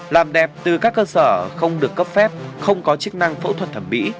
làm đẹp từ các cơ sở không được cấp phép không có chức năng phẫu thuật thẩm mỹ